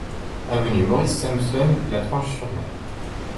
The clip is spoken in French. Avenue Maurice Samson, La Tranche-sur-Mer